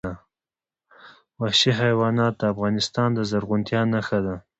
وحشي حیوانات د افغانستان د زرغونتیا نښه ده.